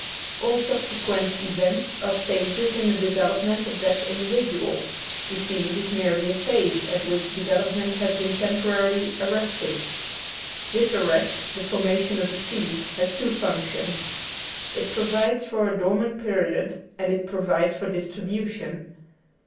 All subsequent events are stages in the development of that individual; the seed is merely a phase, at which development has been temporarily arrested. This arrest, the formation of a seed, has two functions. It provides for a dormant period and it provides for distribution.